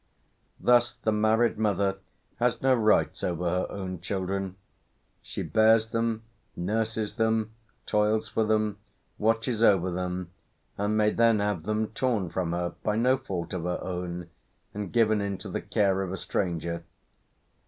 Thus the married mother has no rights over her own children; she bears them, nurses them, toils for them, watches over them, and may then have them torn from her by no fault of her own, and given into the care of a stranger.